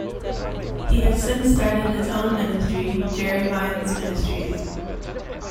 He has since started his own ministry, Jerry Vines Ministries.